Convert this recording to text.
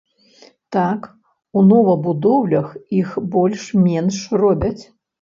Так, у новабудоўлях іх больш-менш робяць.